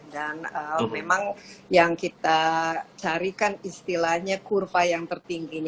dan memang yang kita carikan istilahnya kurva yang tertinggi